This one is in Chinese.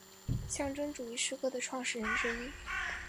象征主义诗歌的创始人之一。